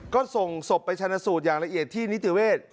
ก็ส่งศพไปชนะสูตรอย่างละเอียดที่นิติเวศ